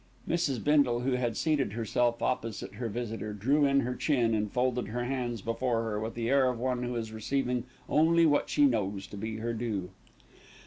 '" Mrs. Bindle, who had seated herself opposite her visitor, drew in her chin and folded her hands before her, with the air of one who is receiving only what she knows to be her due.